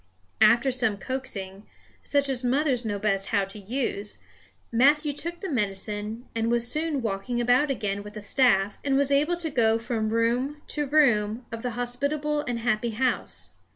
After some coaxing, such as mothers know best how to use, Matthew took the medicine and was soon walking about again with a staff, and was able to go from room to room of the hospitable and happy house.